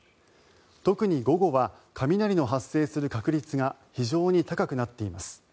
特に午後は雷の発生する確率が非常に高くなっています。